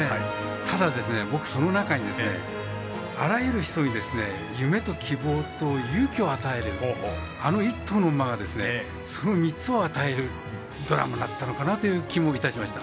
ただ、僕、その中にあらゆる人に夢と希望と勇気を与えるあの１頭の馬がその３つを与えるドラマだったのかなという気がいたしました。